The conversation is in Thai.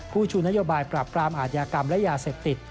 ชูนโยบายปรับปรามอาทยากรรมและยาเสพติด